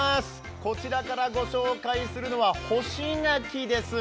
こちらからご紹介するのは干し柿です。